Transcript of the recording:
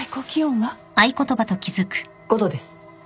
５℃です。